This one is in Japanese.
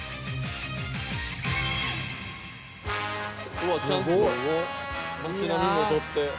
うわちゃんと街並みも撮って。